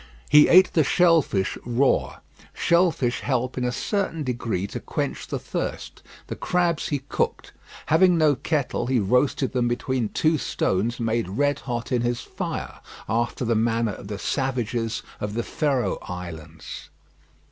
He ate the shell fish raw. Shell fish help in a certain degree to quench the thirst. The crabs he cooked. Having no kettle, he roasted them between two stones made red hot in his fire, after the manner of the savages of the Feroe islands.